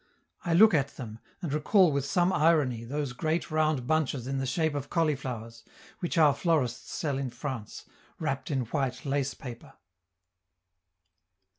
I look at them, and recall with some irony those great round bunches in the shape of cauliflowers, which our florists sell in France, wrapped in white lace paper!